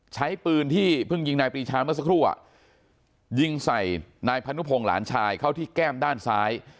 ใช้ปืนที่เพิ่งยิงนายปรีชาเมื่อสักครู่ยิงใส่นายพนุพงศ์หลานชายเข้าที่แก้มด้านซ้าย